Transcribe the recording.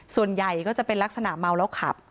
ส่วนใหญ่ก็จะเป็นลักษณะเมาแล้วขับ